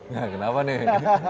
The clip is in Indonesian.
nah kenapa nih